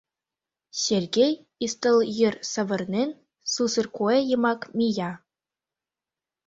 Сергей, ӱстел йыр савырнен, сусыр куэ йымак мия.